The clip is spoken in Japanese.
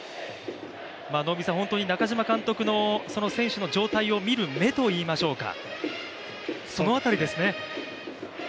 本当に中嶋監督の選手の状態を見る目といいますか、その辺りですね。